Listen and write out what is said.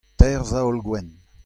teir zaol gwenn.